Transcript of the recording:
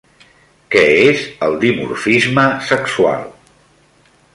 Què és el dimorfisme sexual?